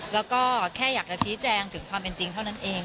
แล้วก็แค่อยากจะชี้แจงถึงความเป็นจริงเท่านั้นเอง